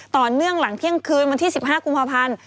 ต่อเนื่องหลังเที่ยงคืนวันที่๑๕กุมภาพันธ์